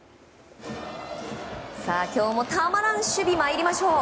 さあ、今日もたまらん守備参りましょう。